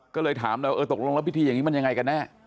ก็เลยถามเลยเออตกลงแล้วพิธีอย่างนี้มันยังไงกันแน่